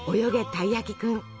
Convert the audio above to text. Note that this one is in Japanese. たいやきくん」。